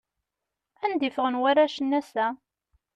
Anda i ffɣen warrac-nni ass-a?